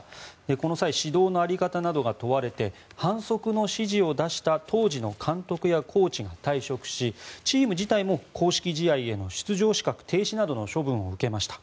この際指導の在り方などが問われて反則の指示を出した当時の監督やコーチが退職しチーム自体も公式試合への出場資格停止などの処分を受けました。